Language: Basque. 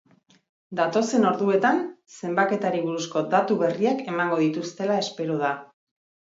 Datozen orduetan zenbaketari buruzko datu berriak emango dituztela espero da.